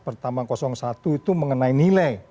pertama satu itu mengenai nilai